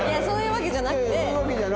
そういうわけじゃなくて。